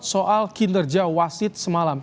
soal kinerja wasit semalam